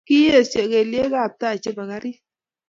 Kiyesyo kelyekab tai chebo karit